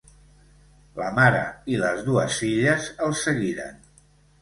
La mare i les dues filles el seguiren.